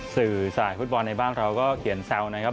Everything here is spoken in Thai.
สื่อสลายฟุตบอลในบ้านเราก็เขียนแซวนะครับ